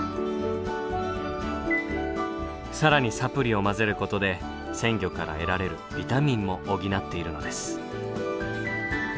更にサプリを混ぜることで鮮魚から得られるビタミンも補っているのです。